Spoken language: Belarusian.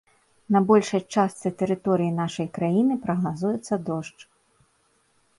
На большай частцы тэрыторыі нашай краіны прагназуецца дождж.